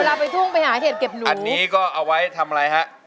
เวลาไปทุ่งไปหาเห็ดเก็บหนูอันนี้ก็เอาไว้ทำอะไรฮะ